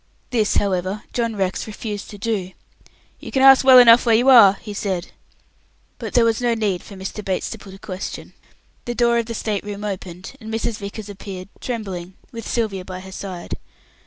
This, however, John Rex refused to do. "You can ask well enough where you are," he said. But there was no need for Mr. Bates to put a question. The door of the state room opened, and Mrs. Vickers appeared, trembling, with Sylvia by her side.